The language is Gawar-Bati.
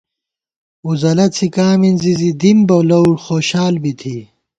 وُزلہ څھِکا مِنزی زی دِم بہ لؤ خوشال بی تھی